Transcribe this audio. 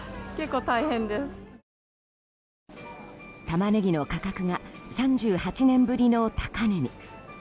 タマネギの価格が３８年ぶりの高値に。